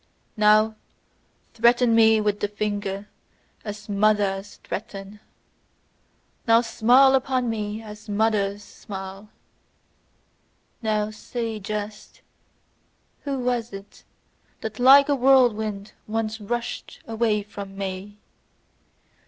Now threaten me with the finger as mothers threaten; now smile upon me as mothers smile; now say just: "Who was it that like a whirlwind once rushed away from me?